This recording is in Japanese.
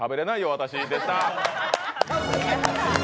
私、でした。